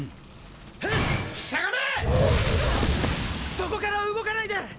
そこから動かないで！